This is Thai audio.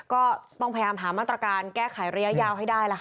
ก็ต้องพยายามหามาตรการแก้ไขระยะยาวให้ได้ล่ะค่ะ